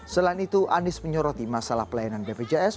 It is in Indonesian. selain itu anies menyoroti masalah pelayanan bpjs